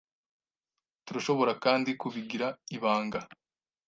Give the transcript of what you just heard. Turashobora kandi kubigira ibanga.